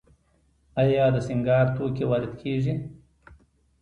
آیا د سینګار توکي وارد کیږي؟